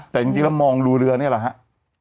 แต่จริงแล้วมองดูเรือนี่แหละครับ